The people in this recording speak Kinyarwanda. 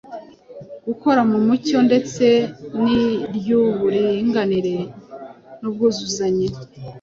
gukorera mu mucyo ndetse n’iry’uburinganire n’ubwuzuzanye